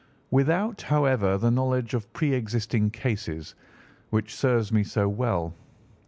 "Without, however, the knowledge of pre existing cases which serves me so well.